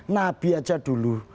nabi saja dulu